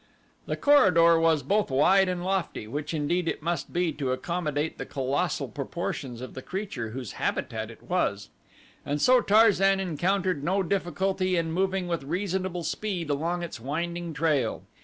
The corridor was both wide and lofty, which indeed it must be to accommodate the colossal proportions of the creature whose habitat it was, and so Tarzan encountered no difficulty in moving with reasonable speed along its winding trail.